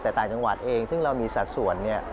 แต่ต่างจังหวัดเองซึ่งเรามีสัดส่วนเนี่ย